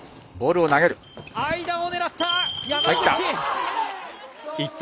間を狙った。